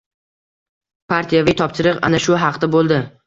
Partiyaviy topshiriq ana shu haqda bo‘ldi.